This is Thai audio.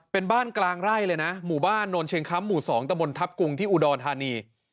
เป็นบ้านกลางไร่เลยนะหมู่บ้านโนนเชียงคำหมู่๒ตะบนทัพกรุงที่อุดรธานี